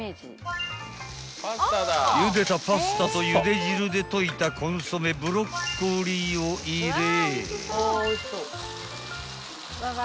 ［ゆでたパスタとゆで汁で溶いたコンソメブロッコリーを入れ］